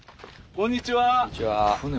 こんにちは。